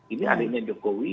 ini adiknya jokowi